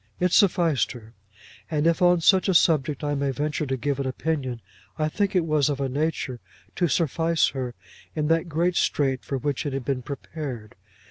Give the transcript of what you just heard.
It sufficed her; and if on such a subject I may venture to give an opinion, I think it was of a nature to suffice her in that great strait for which it had been prepared.